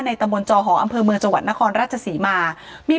ในตำบนจอหออำเพลิงเมืองจวันนครราชสีมามี